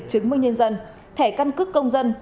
chứng minh nhân dân thẻ căn cức công dân